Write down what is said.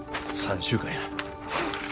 ３週間や。